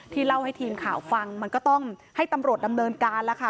เล่าให้ทีมข่าวฟังมันก็ต้องให้ตำรวจดำเนินการแล้วค่ะ